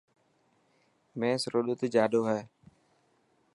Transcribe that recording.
مينس رو ڏوڌ جاڏو هي .